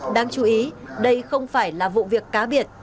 đáng chú ý đây không phải là vụ việc cá biệt